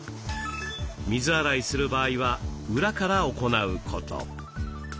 水洗いする場合は裏から行うこと。